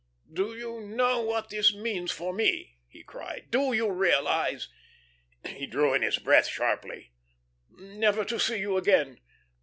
"Do you know what that means for me?" he cried. "Do you realise " he drew in his breath sharply. "Never to see you again!